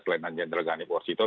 selain anjan draganiporsito